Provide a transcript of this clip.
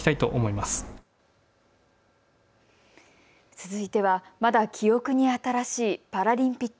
続いては、まだ記憶に新しいパラリンピック。